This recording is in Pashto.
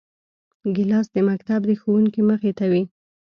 ګیلاس د مکتب د ښوونکي مخې ته وي.